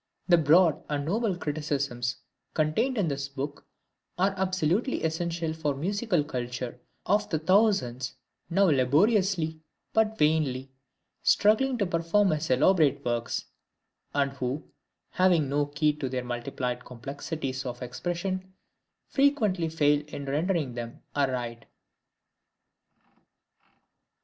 The broad and noble criticisms contained in this book are absolutely essential for the musical culture of the thousands now laboriously but vainly struggling to perform his elaborate works, and who, having no key to their multiplied complexities of expression, frequently fail in rendering them aright.